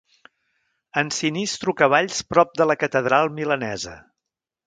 Ensinistro cavalls prop de la catedral milanesa.